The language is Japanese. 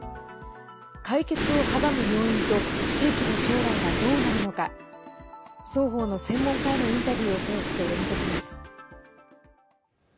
解決を阻む要因と地域の将来がどうなるのか双方の専門家へのインタビューを通して読み解きます。